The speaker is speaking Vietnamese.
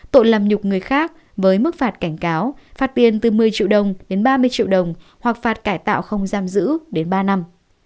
tội làm nhục người khác với mức phạt cảnh cáo phạt tiền từ một mươi triệu đồng đến ba mươi triệu đồng hoặc phạt cải tạo không giam giữ đến ba năm